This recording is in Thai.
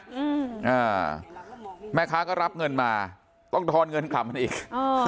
อืมอ่าแม่ค้าก็รับเงินมาต้องทอนเงินกลับมาอีกอ๋อ